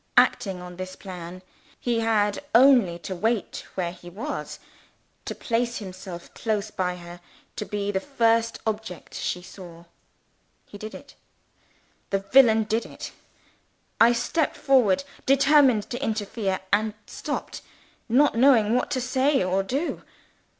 Acting on this plan, he had only to wait where he was, to place himself close by her to be the first object she saw. He did it. The villain did it. I stepped forward, determined to interfere and stopped, not knowing what to say or do.